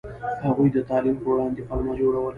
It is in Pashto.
هغوی د تعلیم په وړاندې پلمه جوړوله.